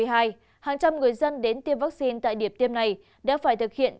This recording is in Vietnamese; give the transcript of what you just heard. hàng trăm người dân đến tiêm vaccine tại điểm tiêm này đã phải thực hiện